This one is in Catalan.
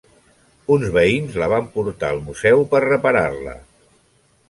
Uns veïns la van portar al Museu per reparar-la.